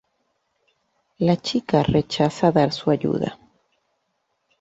La chica rechaza dar su ayuda.